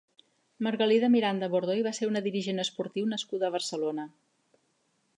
Margalida Miranda Bordoy va ser una dirigent esportiu nascuda a Barcelona.